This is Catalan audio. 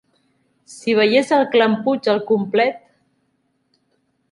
Si veiés el clan Puig al complet!